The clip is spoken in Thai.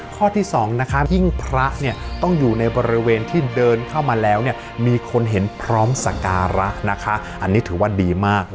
ข้อที่สองนะคะหิ้งพระเนี่ยต้องอยู่ในบริเวณที่เดินเข้ามาแล้วเนี่ยมีคนเห็นพร้อมสการะนะคะอันนี้ถือว่าดีมาก